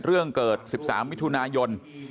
เรื่องเกิด๑๓มิถุนายน